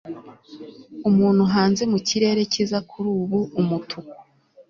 umuntu hanze mu kirere cyiza kuri ubu umutuku